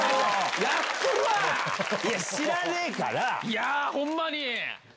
いやホンマに！